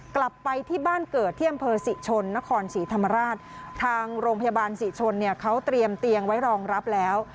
กลับไปที่บ้านเกิดที่อำเภอศรีชนนครศรีธรรมราชทางโรงพยาบาลศรีชนเนี่ยเขาเตรียมเตียงไว้รองรับแล้ว